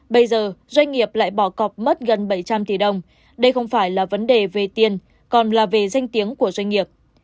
bây giờ doanh nghiệp lại bỏ cọp mất gần bảy trăm linh tỷ đồng đây không phải là vấn đề về tiền còn là về danh tiếng của doanh nghiệp